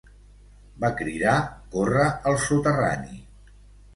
Va cridar: "corre al soterrani!"